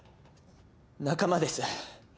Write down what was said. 仲間です。